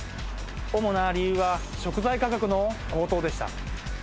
主な理由は、食材価格の高騰でした。